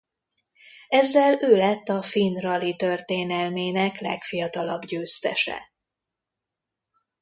Ezzel ő lett a finn rali történelmének legfiatalabb győztese.